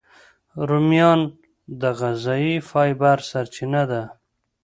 رومیان د غذایي فایبر سرچینه ده